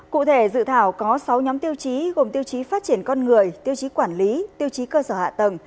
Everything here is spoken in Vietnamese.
cụ thể dự thảo có sáu nhóm tiêu chí gồm tiêu chí phát triển con người tiêu chí quản lý tiêu chí cơ sở hạ tầng